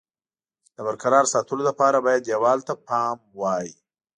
د برقرار ساتلو لپاره باید دېوال ته پام وای.